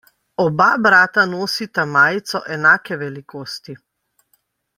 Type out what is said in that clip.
Oba brata nosita majico enake velikosti.